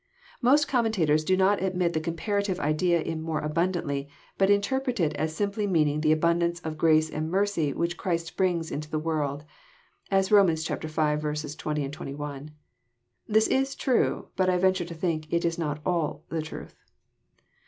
Most commentators do not admit the comparative idea in '< more abundantly,'* but interpret it as simply meaning the abundance of grace and mercy which Christ brings into the world : as Bom. v. 20, 21. This is true, but I yentore to think it is not all the truth.